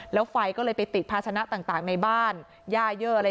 แล้วไฟก็เลยไปติดพาชนะต่างต่างในบ้านยาเยอะเลย